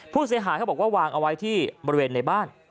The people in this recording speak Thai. ผู้เสียหายเขาบอกว่าวางเอาไว้ที่บริเวณในบ้าน